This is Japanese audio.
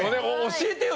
教えてよ！